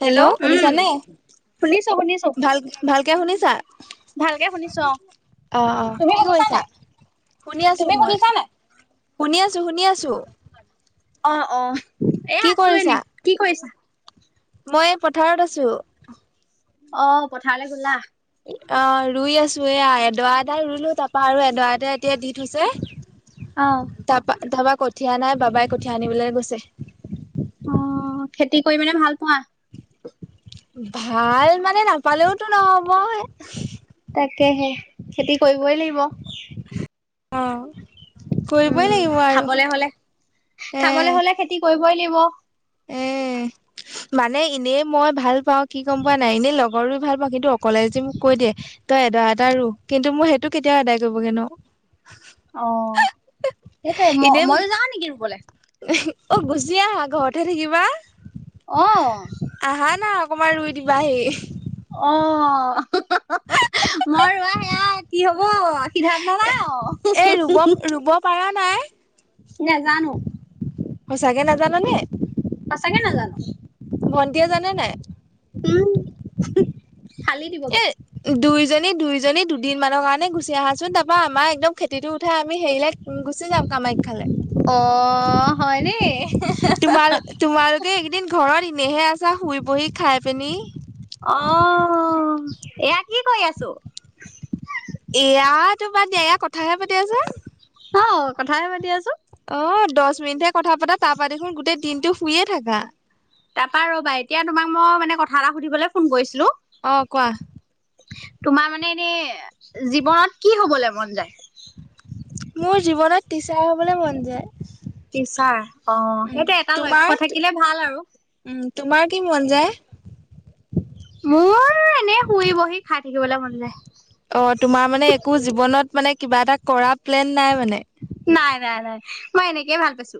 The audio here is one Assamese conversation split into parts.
হেল্ল' শুনিছা নে? শুনিছো শুনিছো ভাল, ভালকে শুনিছা? ভালকে শুনিছো অ আহ অ', তুমি কি শুনিছা কৰিছা? নাই শুনি আছো তুমি মই। শুনিছা নাই শুনি আছো, শুনি আছো। অ', অ', এ কি আছো এনে, কৰিছা? কি কৰিছা? মই এ পথাৰত আছো। অ', পথাৰলৈ গ'লা? অ', ৰুই আছো। এয়া এডৰা এডাল ৰুলো তাৰপা আৰু এডৰা এডৰা এতিয়া দি থৈছে। অ'। তাৰপা তাৰপা কঠীয়া নাই। বাবাই কঠীয়া আনিবলৈ গৈছে। অ', খেতি কৰি মানে ভাল পোৱা? ভাল মানে নাপালেওতো নহ'ব। তাকেহে খেতি কৰিবই লাগিব। অ'। উম, কৰিবই লাগিব আৰু। খাবলে হ'লে, খাবলে হ'লে খেতি কৰিবই লাগিব। এহ। [inaudible] মানে এনেই মই ভাল পাওঁ কি গম পোৱা নাই, এনেই লগৰো ভাল পাওঁ কিন্তু অকলে যে মোক কৈ দিয়ে তই এডৰা এডৰা ৰু। কিন্তু মোৰ সেইটো কেতিয়াও আদায় কৰিবগে নোৱাৰো। অ', সেইটোৱয়ে এনে ম-মইওঁ যাওঁ নেকি ৰুবলৈ। অ', গুচি আহা ঘৰতেহে থাকিবা। আহ। আহা না অকমান ৰুই দিবা আহি। অ [inaudible] মই ৰোৱা সেয়া কি হ'ব সিদ্ধান্ত নাই এই ৰুব আৰু। ৰুব পাৰা নাই। নেজানো। সঁচাকে নাজানা নে? সচাঁকে নাজানো। ভণ্টিয়ে জানে নাই? উম ফালি দিবগে এ দুই দুজনী দুইজনী দুদিনমানৰ কাৰণে গুচি আহাচোন। তাৰপৰা আমাৰ একদম খেতিটো উঠাই আমি হেৰিলে গুচি যাম কামা খ্যালে। অ হয়নে তোমা তোমালোকে এইকেইদিন ঘৰত এনেহে আছা শুই বহি খাই পিনি। অহ এয়া কি কৰি আছো? এয়া তোমাৰ বাদ দিয়া এয়া কথাহে পাতি আছে। অ', কথা হে পাতি আছো। অ', দহ মিনিটহে কথা পতা তাৰপা দেখোন গোটেই দিনটো শুয়ে থাকা। তাৰাপা ৰ'বা এতিয়া তোমাক মই মানে কথা এটা সুধিবলৈ ফোন কৰিছো। অ', কোৱা? তোমাৰ মানে এনে জীৱনত কি হবলৈ মন যায়? মোৰ জীৱনত টিচাৰ হ'বলৈ মন যায়। টিচাৰ অ' উম সেইটো এটা তোমাৰ লক্ষ্য থাকিলে ভাল আৰু। উম তোমাৰ কি মন যায়? মোৰ এনেই শুই বহি খাই থাকিবলৈ মন যায়। অ', তোমাৰ মানে একো জীৱনত মানে কিবা এটা কৰা প্লেন নাই মানে? নাই নাই নাই মই এনেকেই ভাল পাইছো।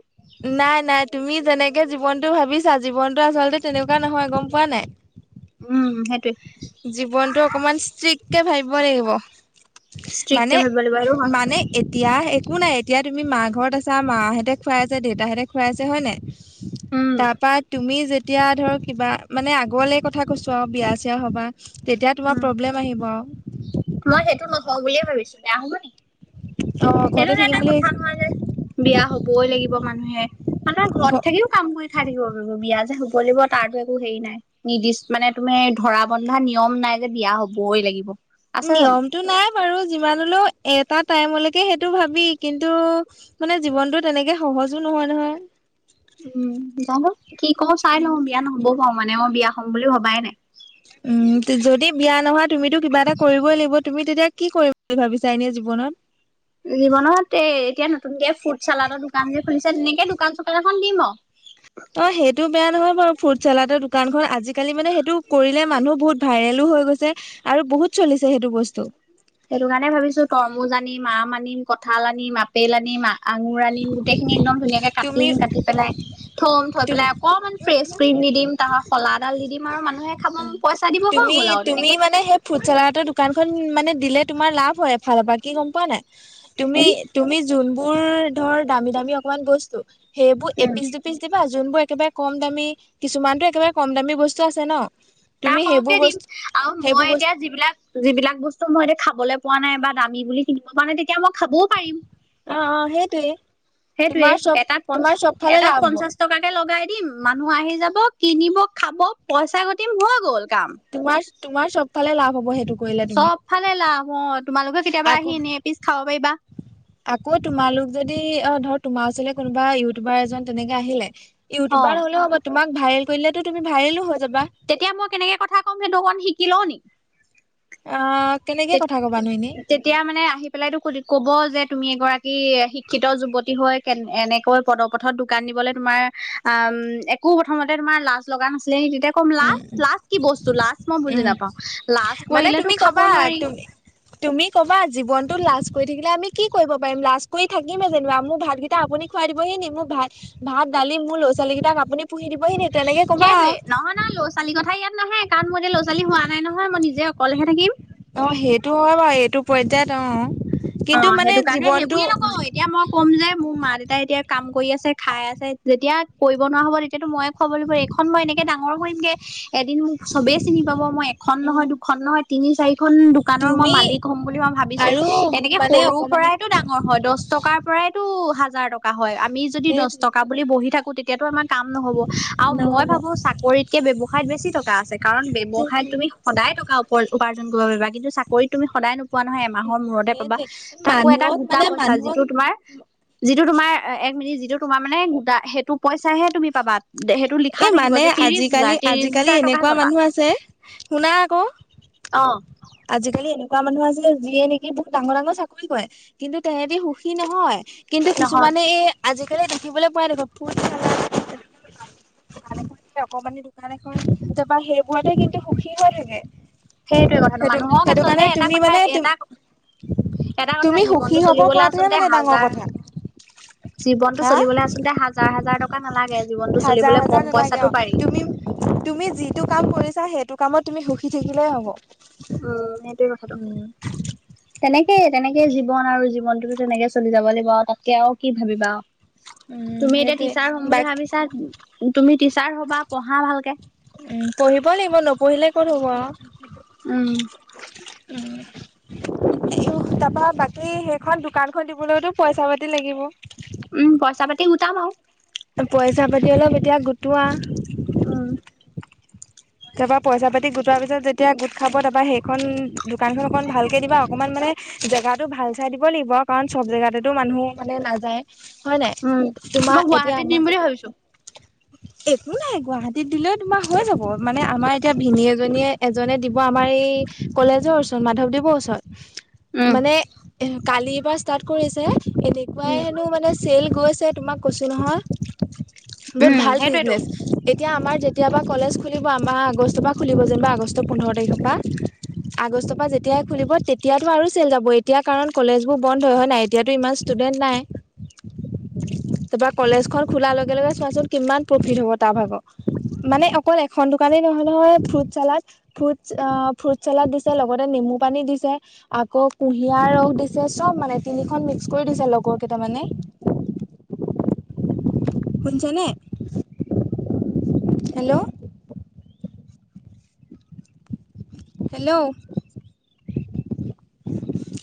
নাই নাই তুমি যেনেকে জীৱনতটো ভাবিছা জীৱনটো আচলতে তেনেকুৱা নহয় গম পোৱা নে নাই। উম। সেইটোৱে জীৱনটো অকনমান ষ্ট্ৰিক্টকে ভাবিব লাগিব। ষ্ট্ৰিককে মানে, ভাবিব লাগিব সেইটো হয় মানে এতিয়া একো নাই এতিয়া তুমি মা ঘৰত আছা মাহঁতে খুৱাই আছে দেউতাহঁতে খুৱাই আছে হয় নাই? উম তাৰপা তুমি যেতিয়া ধৰ কিবা মানে আগলে কথা কৈছো আৰু বিয়া চিয়া হবা, তেতিয়া তোমাৰ উম, প্ৰব্লেম আহিব আৰু মই সেইটো নকওঁ বুলিয়ে ভাবিছো বেয়া হব নেকি? অ সেইটো ঘৰতে যে থাকিম এটা বুলি কথা নহয় যে, বিয়া হবই লাগিব মানুহে, মানুহৰ ঘৰত ঘ থাকিও কাম কৰি খাই থাকিব পাৰিব বিয়া যে হব হব লাগিব তাৰ একো হেৰি নাই নিৰ্দিষ্ট মানে তুমি ধৰা বন্ধা নিয়ম নাই যে বিযয়া হবই লাগিব। আছে জানো নিয়মতটো নাই, বাৰু যিমানলৈও এটা টাইমলৈকে সেইটো ভাবি কিন্তু মানে জীৱনতটো তেনেকে হ সহজো নহয়, নহয়। উম, জানো কি কও চাই লওঁ বিয়া নহবও পাৰো মানে মই বিয়া হম বুলি ভবাই নাই। উম, যদি বিয়া নহয় তুমিতো কিবা এটা কৰিবই লাগিব তুমি তেতিয়া কি কৰিম বুলি ভাবিছা এনে জীৱনত? জীৱনত এ এতিয়া নতুনকে ফুড চালাডৰ দোকান যে খুলিছে তেনেকে দোকান চোকান এখন দিম আৰু। অ, সেইটো বেয়া নহয় ফ্ৰুট চালাডৰ দোকানখন আজিকালি মানে সেইটো কৰিলে মানুহ বহুত ভাইৰেলো হৈ গৈছে, আৰু বহুত চলিছে সেইটো বস্তু। সেইটো কাৰণে ভাবিছোঁ তৰমুজ আনিম আম আনিম কঁঠাল আনিম আপেল আনিম আ আঙুৰ আনিম গোটেইখিনি একদম ধুনীয়াকে তুমি কাটিম, কাটি পেলাই থ তুম থমপেলাই অকণমান ফ্ৰেছ ক্ৰীম দি দিম তাৰ শলাডাল দিম আৰু মানুহে খাব পইচা দিব হৈ তুমি গ'ল আৰু। তুমি তেনেকে মানে সেই ফু চলাডৰ দোকান মানে দিলে তোমাৰ লাভ হয় এফালৰ পৰা কি গম পোৱা নাই তুমি, উম, তুমি যোনখন বোৰ ধৰ দামী দামী অকমান বস্তু, সেইবোৰ উম, এপিচ-দুপিচ যোনবোৰ একেবাৰে কম দামী, কিছুমানটো একেবাৰে কম দামী বস্তু আছে ন? তাৰ তুমি সেইবোৰ সৰহকে দিম বস্তু আৰু মই সেইবোৰ এতিয়া বস্তু যিবিলাক, যিবিলাক বস্তু মই এতিয়া খাবলৈ পোৱা নাই বা দামী বুলি কিনিব পৰা নাই, তেতিয়া মই খাবওঁ পাৰিম। অ অ সেইটোয়ে সেইটোৱে তোমাৰ চব এটাত প তোমাৰ চব ফালে এটাত লাভ হ'ব পঞ্চাশ টকাকে লগাই দিম। মানুহ আহি যাব কিনিব খাব পইচা গতিম হৈ গ'ল। কাম। তোমাৰ-তোমাৰ চব ফালে লাভ হব সেইটো কৰিলে তুমি চ'ব ফালে লাভ অ, তোমালোকে কেতিয়াবা আকৌ আহি এনে এপিছ খাব পাৰিবা। আকৌ তোমালোক যদি অ, ধৰ তোমাৰ ওচৰলৈ কোনোবা ইউটিউবাৰ এজন তেনেকে আহিলে, অ। ইউটিউবাৰ হলে হ'ব, তোমাক ভাইৰেল কৰিলে তুমিতো ভাইৰেলো হৈ যাবা তেতিয়া মই কেনেকে কথা ক'ম সেইটো অকণ শিকি লওঁ নেকি? অ, কেনেকে কথা কবানো এনেই তে-তেতিয়া মানে আহি পেলাইতো ক-ক'ব যে তুমি এগৰাকী শিক্ষিত যুৱতী হৈ কেনে এনেকৈ পদপথত দোকান দিবলৈ তোমাৰ আহ, উম, একো প্ৰথমতে তোমাৰ লাজ লগা নাছিল লে নেকি? তেতিয়া কম উম লাজ, উম লাজ কি বস্তু? লাজ মই বুজি উম নাপাওঁ, লাজ মানে তুমি কৰিলেতো খাব কবা নোৱাৰি। তুমি তুমি কবা জীৱনতো লাজ কৰি থাকিলে আমি কি কৰিব পাৰিম? লাজ কৰি থাকিমে যেনিবা মোৰ ভাতকেইটা আপুনি খুৱাই দিবহে নি? মোক ভাত, ভাত, দালি মোৰ ল'ৰা ছোৱালী কেইটাক আপুনি পুহি দিব হি নি? তেনেকে কবা। সেইটোৱে নহয় [unintelligible] কথা ইয়াত নাহে, কাৰণ মোৰ এতিয়া ল'ৰা-ছোৱালী হোৱা নাই নহয়, মই নিজে অকলেহে থাকিম। অ, সেইটো হয় বাৰু এইটো পৰ্য্যায়ত অ, অ, কিন্তু মানে সেইটো কাৰণে সেই জীৱনটো বুলি নকওঁ, এতিয়া মই ক'ম যে মোৰ মা দে দেউতাই এতিয়া কাম কৰি আছে, খাই আছে, যেতিয়া কৰিব নোৱাৰা হ'ব তেতিয়াতো ময়ে খুৱাব লাগিব। এইখন মই এনেকে ডাঙৰ হৈ কে এদিন মোক চবেই চিনি পাব। মই এখন নহয় উম দুখন নহয় তিনি, চাৰিখন দোকানৰ মই তুমি মালিক হ'ম বুলি মই ভাবিছোঁ আৰু এক মানে সৰুৰ অকমানি পৰাইতটো ডাঙৰ হয়। দহ টকাৰ পৰাইতো হাজাৰ টকা হয়, আ আমি যদি দহ সেইটোৱে টকা বুলি বহি থাকো, তেতিয়াতো আমাৰ কাম নহ'ব আৰু মই নহ'ব ভাবো চাকৰিতকে ব্যব সাইত বেছি টকা আছে। কাৰণ ব্যৱসায়ত সেইটোৱে তুমি সদায় টকা উপাৰ্জন কৰিব পাৰিবা কিন্তু চাকৰিত তুমি সদায় নোপোৱা নহয় এমাহৰ মূৰতে পাবা সেইটোৱে তাকো এটা মানুহক গোটা মানে পইচা মানুহক যিটো তোমাৰ, যিটো তোমাৰ এ যিটো তোমাৰ মানে গোটা সেইটো পইচাহে তুমি পাবা। সেইটো লিখা এই থাকিব মানে যে ত্ৰিশ হেজাৰ, আজিকালি ত্ৰিশ আজিকালি হেজাৰ টকাহে এনেকুৱা পাবা। মানুহ আছে শুনা আকৌ অ'। আজিকালি এনেকুৱা মানুহ আছে যিয়ে নেকি বহুত ডাঙৰ ডাঙৰ চাকৰি কৰে, কিন্তু তেহেতি সুখী নহয়। কিন্তু নহয় কিছুমানে এই আজিকালি দেখিবলৈ [unintelligible] [unintelligible] অকমানি দোকান এখন তাৰপৰা সেইবোৰতে কিন্তু সুখী হৈ থাকে। সেইটোয়ে কথাটো সেইটো মানুহক সেইটো আচলতে কাৰণে এটা তুমি কথা মানে এটা এটা কথা তুমি সুখী জীৱনটো হব চলিবলৈ পৰাটোহে আচলতে মানে ডাঙৰ হাজাৰ কথা জীৱনটো হা চলিবলৈ আচলতে হাজাৰ হাজাৰ টকা নালাগে। জীৱনটো হাজাৰ চলিবলৈ কম হাজাৰ নালাগে পইচাটো পাৰি অ' তুমি তুমি যিটো কাম কৰিছা সেইটো কামত তুমি সুখী থাকিলে হ'ব। উম, সেইটোৱে কথাটো। উম তেনেক সেয়ে তেনেকে জীৱন আৰু জীৱনটোতো তেনেকে চলি যাব লাগিব আৰু তাতকে আৰু কি ভাবিবা। উম তুমি এতিয়া সেইটোৱে টিচাৰ হ'ম বুলি বাকী ভাবিছা [unintelligible] তুমি টিচাৰ হ'বা পঢ়া ভালকে। উম পঢ়িব লাগিব [unintelligible] উম। উম। [unintelligible] তাৰপৰা বাকী সেইখন দোকানখন দিবলৈতো পইচা পাতি লাগিব। উম, পইচা পাতি গোটাম আৰু। পইচা পাতি অলপ এতিয়া গোটোৱা। উম। তাৰ পৰা পইচা পাতি গোটোৱাৰ পিছত যেতিয়া গোট খাব তাৰপৰা সেইখন দোকানখন অকন ভালকে দিবা অকনমান মানে জেগাতো ভাল চাই দিব লাগিব কাৰণ চব জেগাতেতো মানুহ মানে নাযায়। হয় নাই, উম, মই তোমাৰ এতিয়া গুৱাহাটীত দিম আমাৰ বুলি ভাবিছো। [inaudible] একো নাই গুৱাহাটীত দিলেও তোমাৰ হৈ যাব মানে আমাৰ এতিয়া ভিনি এজনীয়ে এজনে দিব আমাৰ এই কলেজৰ ওচৰত মাধৱদেৱৰ ওচৰত। উম। মানে কালিৰ পৰাৰ ষ্টাৰ্ট কৰিছে এনেকুৱাই উম, হেনো মানে চেল গৈছে তোমাক কৈছোঁ নহয়, বহুত উম, ভাল সেইটোৱেতো। বিজনেছ, এ এতিয়া আমাৰ যেতিয়াবা কলেজ খুলিব আমাৰ আগষ্টৰ পৰা খুলিব যেনিবা আগষ্টৰ পোন্ধৰ তাৰিখৰ পৰা। আগষ্টৰ পৰা যেতিয়াই খুলিব তেতিয়য়াতো আৰু চেল যাব এতিয়া কাৰণ কলেজবোৰ বন্ধ হয় নাই এতিয়াতো ইমান [unintelligible] নাই। উ তাৰপৰা কলেজ খন খোলাৰ লগে লগে চোৱাচোন কিমান প্ৰফিট হ'ব তাৰ ভাবক, মানে অকল এখন দোকানেই নহয় নহয় ফ্ৰুট চালত ফ্ৰুট অ' ফ্ৰুট চালাড দিছে লগতে নেমু পানী দিছে আকৌ কুঁহিয়াৰ ৰস দিছে চব মানে সেইখন মিক্স কৰি দিছে লগৰ কেইটামানে। শুনিছানে, হেল্ল'। হেল্ল'।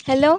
হেল্ল'।